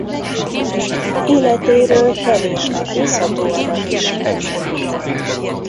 Életéről kevés megbízható adat ismert.